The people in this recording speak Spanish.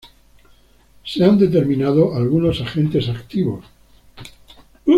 Se han determinado algunos agentes activos.